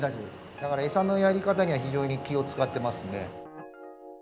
だから餌のやり方には非常に気を遣ってますね。